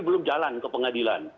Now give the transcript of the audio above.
belum jalan ke pengadilan